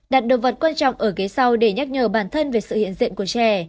đặt động vật quan trọng ở ghế sau để nhắc nhở bản thân về sự hiện diện của trẻ